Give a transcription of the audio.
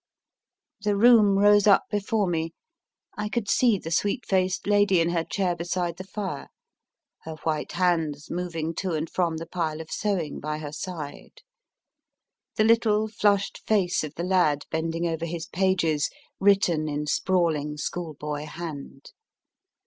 The room rose up before me, I could see the sweet faced lady in her chair beside the fire, her white hands moving to and from the pile of sewing by her side, the little flushed face of the lad bending over his pages written in sprawling schoolboy hand.